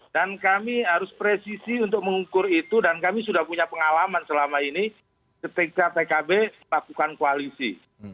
dan kami harus presisi untuk mengukur itu dan kami sudah punya pengalaman selama ini ketika pkb melakukan koalisi